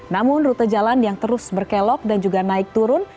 namun rute jalan yang terus berkelok dan juga naik turun